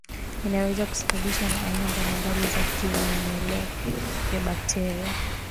inaweza kusababishwa na aina mbalimbali za vinyemelea vya bakteria